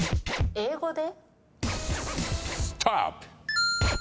英語で？